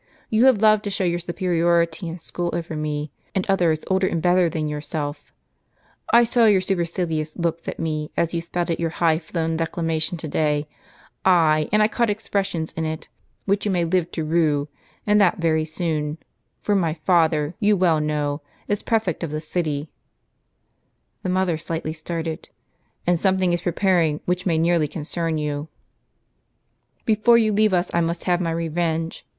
You have loved to show your superiority in school over me and others older and better than yourself; I saw your supercilious looks at me as you spouted your high flown declamation to day; ay, and I caught expressions in it Avhich you may live to rue, and that very soon ; for my father, you well know, is Prefect of the city' (the mother slightly started); 'and something is preparing which may nearly concern you. Before you leave us I must have my revenge.